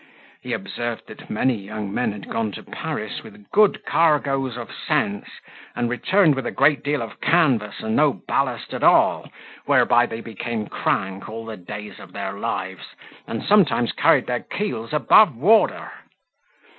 He observed that many young men had gone to Paris with good cargoes of sense, and returned with a great deal of canvas, and no ballast at all, whereby they became crank all the days of their lives, and sometimes carried their keels above water.